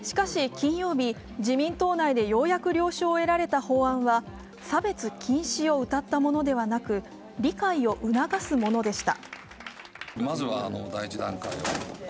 しかし金曜日、自民党内でようやく了承を得られた法案は差別禁止をうたったものではなく、理解を促すものでした。